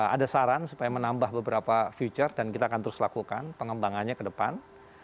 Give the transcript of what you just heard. ada saran supaya menambah beberapa future dan kita akan terus lakukan pengembangannya ke depan